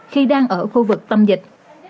khi đang ở khu vực tâm dịch